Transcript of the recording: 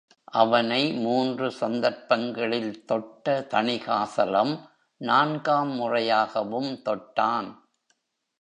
அவனை மூன்று சந்தர்ப்பங்களில் தொட்ட தணிகாசலம், நான்காம் முறையாகவும் தொட்டான்!